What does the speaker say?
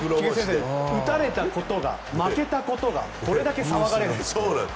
打たれたことが負けたことがこれだけ騒がれるという。